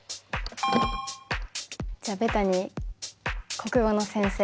じゃあベタに国語の先生。